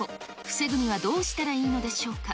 防ぐにはどうしたらいいのでしょうか。